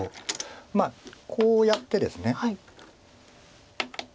まあこうやってですね。